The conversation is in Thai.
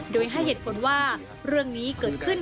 โดยให้เหตุผลว่าเรื่องนี้เกิดขึ้น